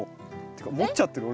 っていうか持っちゃってる。